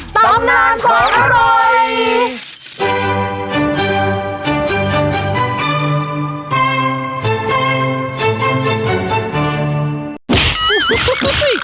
ตำนานความอร่อย